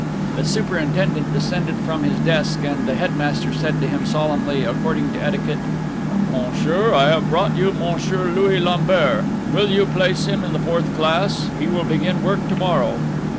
The superintendent descended from his desk, and the headmaster said to him solemnly, according to etiquette: "Monsieur, I have brought you Monsieur Louis Lambert; will you place him in the fourth class? He will begin work to morrow."